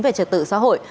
về trật tự xã hội